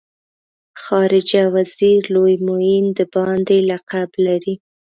خارجه وزیر لوی معین د باندې لقب لري.